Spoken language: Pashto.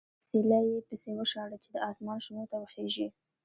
اوسیلی یې پسې وشاړه چې د اسمان شنو ته وخېژي.